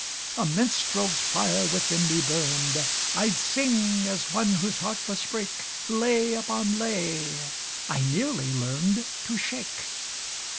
A minstrel's fire within me burned; I'd sing, as one whose heart must break, Lay upon lay I nearly learned To shake.